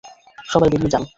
সবাই বেরিয়ে যান!